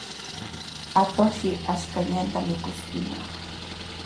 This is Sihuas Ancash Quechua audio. Atuqshi ashkallanta mikuskinaq.